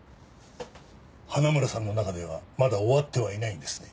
花村さんの中ではまだ終わってはいないんですね？